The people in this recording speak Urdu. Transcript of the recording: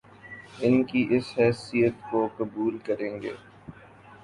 ان کی اس حیثیت کو قبول کریں گے